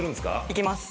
「いきます」